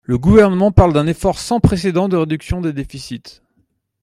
Le Gouvernement parle d’un effort sans précédent de réduction des déficits.